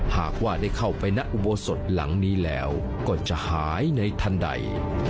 หากว่าได้เข้าไปรังนี้แล้วก็จะหายในทันใด